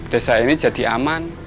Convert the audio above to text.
desa ini jadi aman